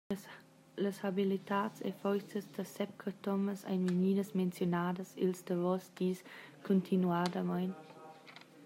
Las habilitads e forzas da Sep Cathomas ein vegnidas menziunadas ils davos dis cuntinuadamein.